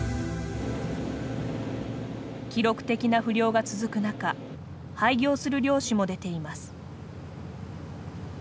記録的な不漁が続く中廃業する漁師も出ています。